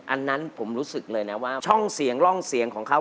อันนั้นผมรู้สึกเลยนะว่าช่องเสียงร่องเสียงของเขา